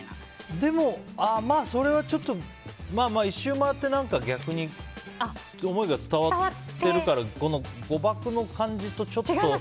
でも、それは１周回って逆に思いが伝わってるから誤爆の感じとちょっと。